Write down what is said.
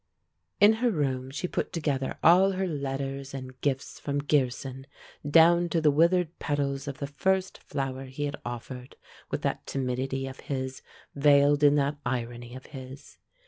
In her room, she put together all her letters and gifts from Gearson, down to the withered petals of the first flower he had offered, with that timidity of his veiled in that irony of his.